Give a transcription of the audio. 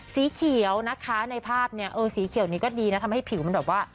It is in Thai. สีเขียวนะคะในภาพเนี่ยเออสีเขียวนี้ก็ดีนะทำให้ผิวมันแบบว่า